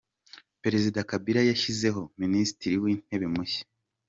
Perezida Kabila yashyizeho Minisitiri w’Intebe mushya.